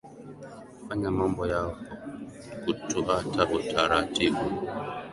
fanya mambo yao kwa kutuata utaratibu